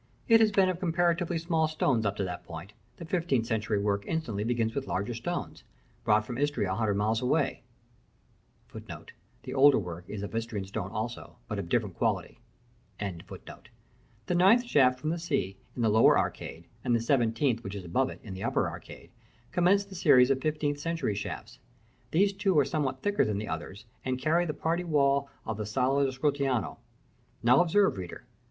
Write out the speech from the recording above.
It has been of comparatively small stones up to that point; the fifteenth century work instantly begins with larger stones, "brought from Istria, a hundred miles away." The ninth shaft from the sea in the lower arcade, and the seventeenth, which is above it, in the upper arcade, commence the series of fifteenth century shafts. These two are somewhat thicker than the others, and carry the party wall of the Sala del Scrutinio. Now observe, reader.